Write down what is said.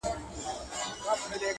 هغه نن بيا د واويلا خاوند دی!!